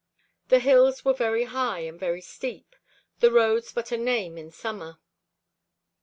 The hills were very high and very steep, the roads but a name in summer.